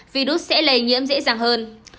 virus sẽ lây nhiễm dễ dàng hơn